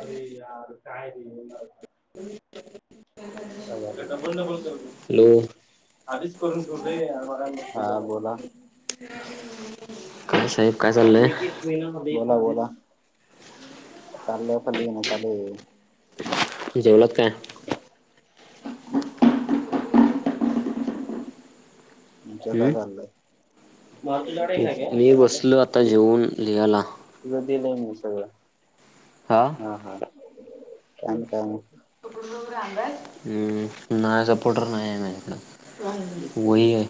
अरे यार! काय रे [unintelligible] डबल डबल करत बसतोय, हॅलो आधीच करून ठेवलय हां बोला. काय साहेब काय एक चाललंय एक महिना [unintelligible] बोला बोला. वा चाललं आता लिहिण चालू ये. जेवलात काय? तुमचं हम्म काय चाललंय? मला तुझ्याकडे काय काय मी काय झालं बसलो आता जेवून लिहाला. [unintelligible] हां हां. [unintelligible] हम्म नाही सपोर्टर नाही यन इकडं. वही केस आहे.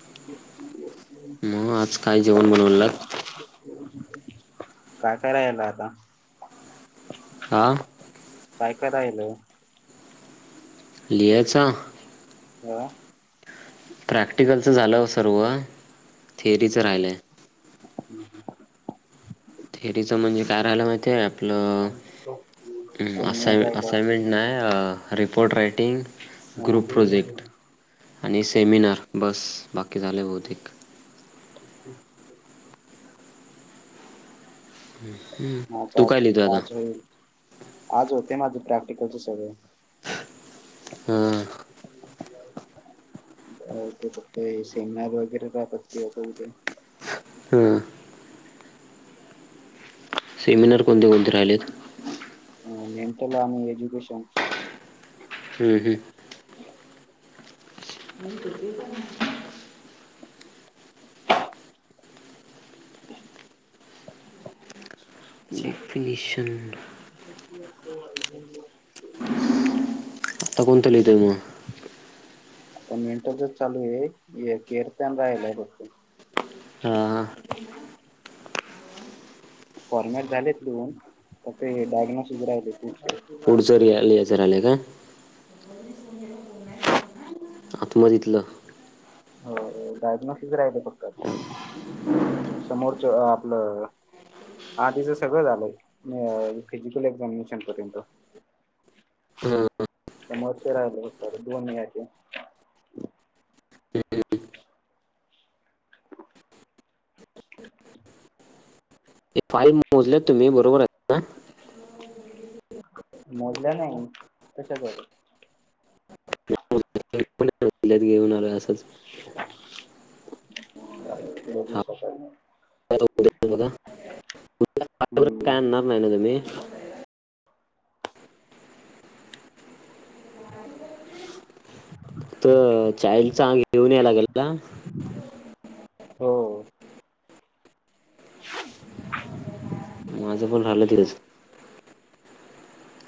[unintelligible] म आज काय जेवणं बनवलात? काय कयरायला आता? आं? काय कराईल? लिघ्याच का? प्रॅक्टिकलच झालं ओ सर्व. थेअरीचं राहिलंय. हम्म हम्म. थेरीचं म्हणजे काय राहियला माहिय आपलं शून्य असय काय काय असते असायनमेंट नाही रिपोर्टर राेट प्टिंग हा. ग्रुप प्रोजेक्ट डबल आणि सेमिनार बस बाकी झाले बहुतेक [inaudible] हम् माझं तू काय आज लिहितो आता आज होईल आज होते माझ प्रॅक्टिकलचे सगळे हां हो ते फक्त सेमनार वगैरे रापत्ती होता उदे हम सेमिनार कोणते कोणते राहिलेत अ मेंटल आणि एज्युकेशन हम्म, ह त [inaudible] [inaudible] फिनिशन [inaudible] तगण त ल त म ना आता मेंटरचच चालू आहे केअर पन राहिलाय फक्त हा फॉर्मॅट झालेत लिहून ते डायग्नॉटिस राहिले पुढचे पुढचरी आलीच जराले का [inaudible] आत्म दितलं. हो डायग्नोस्टिक राहिलं फक्त समोरच आपलं आधीच सगळं झालंय फिजिकल एक्झामिनेशन पर्यंत हां समोरच राहिल फक्त दोन याचे फाईव मोजलेत तुम्ही बरोबर आहेत ना? मोजल्या नाही तशाच आहेत. घेऊन आलो आहे असंच. हा का? हम्म आणणार नाही ना तुम्ही? फक्त चाईल्डचा आग घेऊन याय लागेल ना? हो. [inaudible] माझे पण अडकलेच.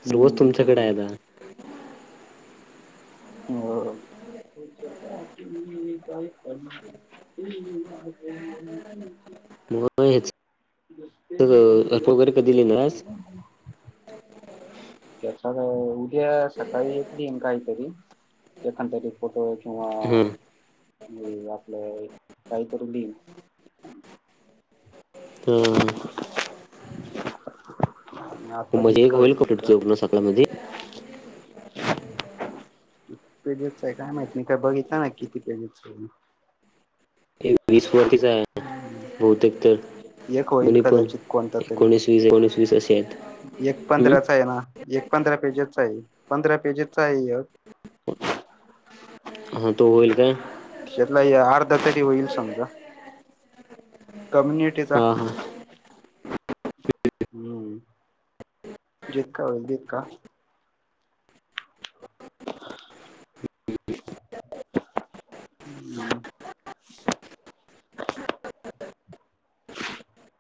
सर्वच हम्म ते तुमच्याकडे पण. आहे दा. का [unintelligible] मग ह्याच दिसते समज अर्प वगैरे कधी लिहलास त्याच्या. उदया सकाळी येेतली काही एखदा तरी फोटो? हम्म. आणि आपल्या काहीतरी लिह हम्म. [inaudible] मजी एक जितकं होईल कपोपण सकाळ मध्ये पेजच आहे काय माहित मी काय बघितच नाही किती पेजच वीस वरतीच आहे बहुतेक तर एक होईल बणी पण कदाचित कोणता तरी एकोणीस वीस एकोणीस वीस अ आहेत. एक पंधराचा आहे ना एक पंधरा पेजेसचा आहे पंधरा पेजेसचा आहे. हा तो होईल काय? आता की होईल समजा. कम्युनिटीचा. हा हा हम्म जितका होईल तितका हम्म. [inaudible]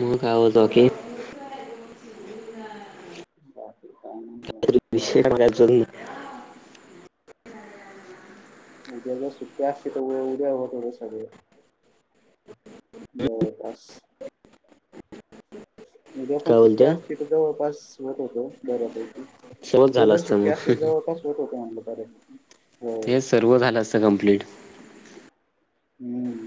मग काावज की [unintelligible] बाकी काय नाही विशे आमक एकज [inaudible] उद्या जर सुट्टया आहे तर उद्या होईल तेवढं सगळं. ब बस. म्हणजे पण काय सुट्टी बोलतं असते तर जवळपास होत होत बऱ्यापैकी. सर्वच उद्या झालं जर असतं सुट्टी मग असतील जवळ पास होत होत म्हटलं. बर ते सर्व झालं असतं कंप्लीट हम्म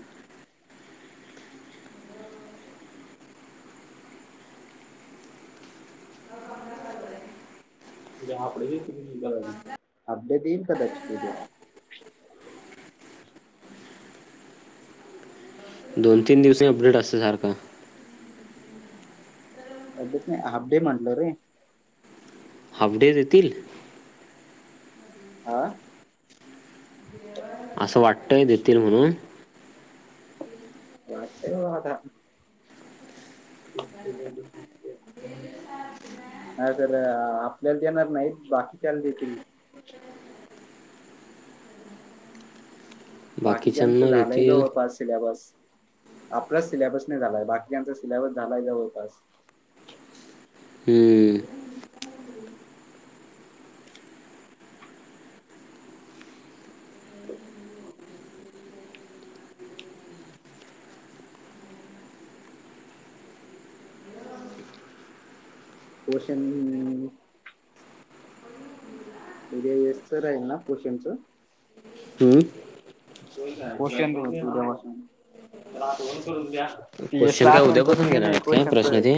[unintelligible] अपडेट [unintelligible] अपडेट येईल का [unintelligible] दोन तीन दिवस अपडेट [unintelligible] अपडेट नाही हाफडे म्हटलं रे हाफ डे देतील आं असं वाटतय देतील म्हणून [unintelligible] हा तर आपल्याला देणार नाहीत बाकीच्याला देतील बाकीच्याचं बाकीच्यांना देतील झालंय [unintelligible] सिलॅबस आपलाच सिलॅ बस नाही झालाय बाकीच्यां चा सिलॅबस झालाय जवळपास हम्म [unintelligible] उद्या ये सर राहील ना क्वेश्चनच [inaudible] [unintelligible] [unintelligible] हम्म... [unintelligible] [inaudible] क्वेशचन काय आठवण उद्यापासून करून घे घेणार आहेत काय प्रश्नाचे.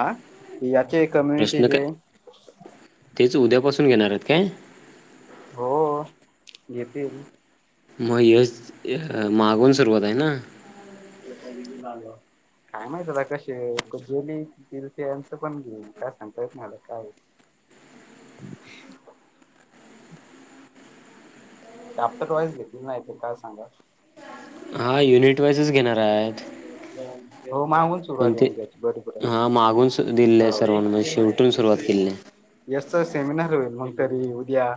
आं -ते चे प्रश्न कम्युनिटीचे काय तेच उद्यापासून घेणार आहेत काय? हो घेतील. मग [unintelligible] मागून सुरुवात आहे ना. [unintelligible] काय माहित आता कशी गेली. [unintelligible] काय सांगता येत नाही काय चॅप्टर वाईज घेतली नाही तर एक एका सांगा. हा युनिट वाइजच घेणार आहे. [unintelligible] हो मागून सुरुवात ते होईल त्याची [unintelligible] बरोबर आहे. हा मागून सु दिलेलं आहे हो.. सर्वांना म्हणजे शेवटून सुरुवात केलेली आहे. सेमिनार होईल मग कधी उद्या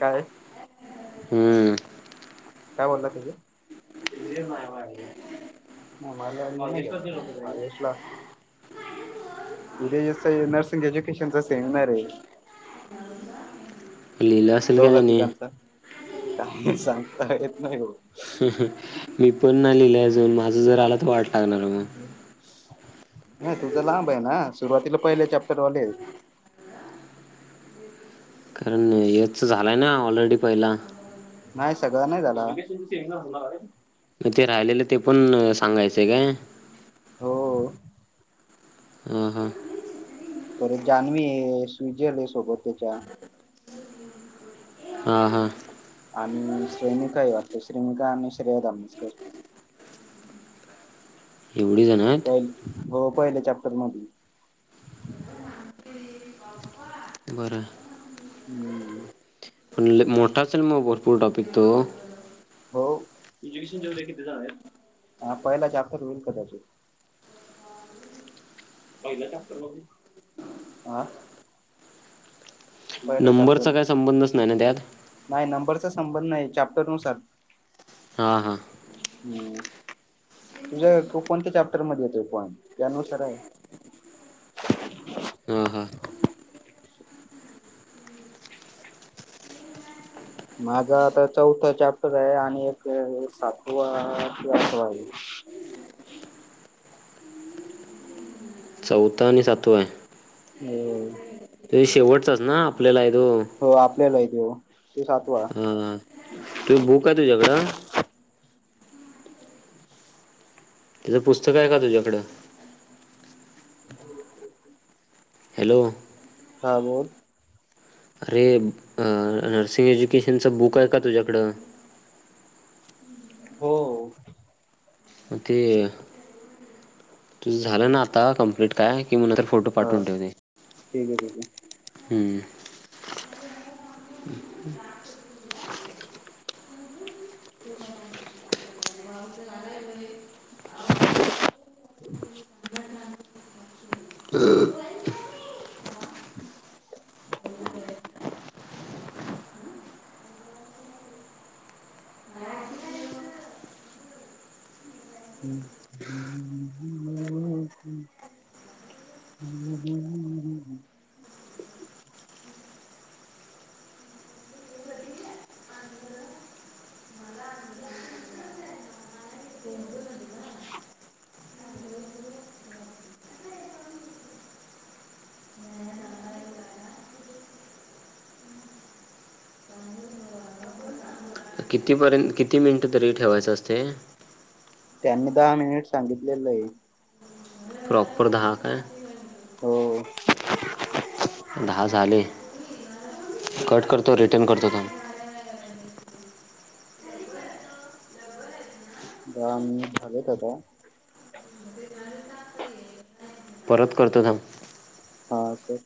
काय? हम्म. काय बोलला [unintelligible] [unintelligible] उद्या नर्सिंग एज्युकेशन चा सेमिनार आहे. लिहिलं असेल का त्यांनी. काही सांगता येत नाही हो. हं.. हं.. मी पण. नाही लिहिला अजून माझा जर आला तर वाढ [unintelligible] नाही तुझं लांब आहे, ना सुरुवातीला पहिले चॅप्टरवाले. कारण याच झालाय ना ऑलरेडी पहिला. नाही सगळं नाही झाला. म ते राहिलेलं ते पण सांगायचंय काय? हो. हां हां. परत जान्हवी, स्विझर्लेड सोबत त्याच्या. हां हां. आणि श्रेनिका ह वाटते, श्रनिका आणि श्रेयदंबस्कर. एवढी जण आहेत? पहि हो पहिले चॅप्टर मधी. बरं. हम्म. पण लई मोठा असेल मग भरपूर टॉपिक तो. हो एज्युकेशन चे किती झालंय? पहिला चॅप्टर होईल कदाचित पहिल्या चॅप्टर मधील. ह.. नंबरचा काही संबंध नस नाही ना त्यात. नाही नंबरचा संबंध नाही. चॅप्टरनुसार हा. हा. हम्! तुझ्या तो कोणत्या चॅप्टर मध्ये येतोय पॉइंट त्यानुसार आहे. हा हा माझा आता चौथा चॅप्टर आहे आणि एक सातवा की आठवा आहे. चौथा आणि सातवा य. हो! त शेवटचच ना आपल्याला तो हो आपल्याला ते तू सातवा तुझ बुक आहे तुझ्याकडं? तिचं पुस्तक आहे का तुझ्याकडं? हम्म. हॅलो. हा बोल. अरे नर्सिंग एज्युकेशनचं बुकहाय का तुझ्याकडं? हो. ते तुझं झालं ना आता कम्प्लीट काय? की मला तर फोटो हा पाठवून ठेवते ठीक आहे ठीक आहे हम्म. हम्. [inaudible] ह. [inaudible] [inaudible] कितीपर्यंत किती मिनिटं तरी ठेवायचं असतय? त्यांनी दहा मिनिट सांगितलेलंय. प्रॉपर दहा काय? हो. दहा झाले कट करतो रिटन करतो थांब. [unintelligible] परत करतो थांब. हा कर.